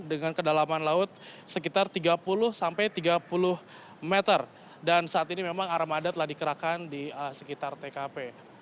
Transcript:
dengan kedalaman laut sekitar tiga puluh sampai tiga puluh meter dan saat ini memang armada telah dikerahkan di sekitar tkp